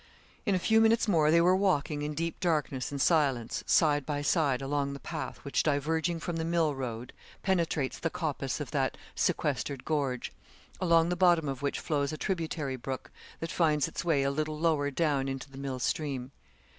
In a few minutes more they were walking in deep darkness and silence, side by side, along the path, which diverging from the mill road, penetrates the coppice of that sequestered gorge, along the bottom of which flows a tributary brook that finds its way a little lower down into the mill stream.